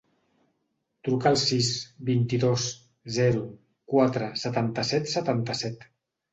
Truca al sis, vint-i-dos, zero, quatre, setanta-set, setanta-set.